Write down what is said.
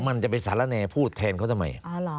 มันจะไปสาระแนร์พูดแทนเขาเถอะไหม